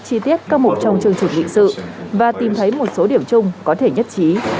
chi tiết các mục trong chương trình nghị sự và tìm thấy một số điểm chung có thể nhất trí